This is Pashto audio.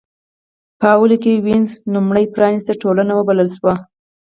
په لومړیو کې وینز لومړۍ پرانېسته ټولنه وبلل شوه.